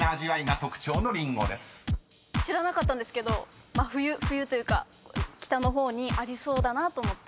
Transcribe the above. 知らなかったんですけど冬冬というか北の方にありそうだなと思って。